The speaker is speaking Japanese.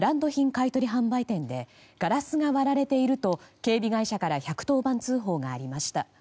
買い取り販売店でガラスが割られていると警備会社から１１０番通報がありました。